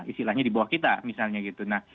istilahnya di bawah kita misalnya gitu nah